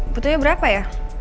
betulnya berapa ya